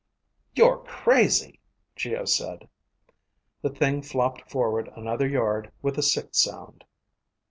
"You're crazy," Geo said. The thing flopped forward another yard with a sick sound.